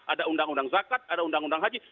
ada undang undang zakat ada undang undang haji